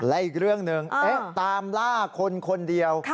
และอีกเรื่องหนึ่งตามล่าคนคนเดียว